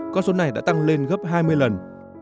con số này đã tăng lên gấp hai mươi lần